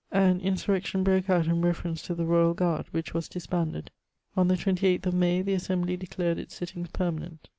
An insurrection broke out in reference to the royal guard, which was disbanded. On the 28th of May, the Assembly declared its sittings perma nent.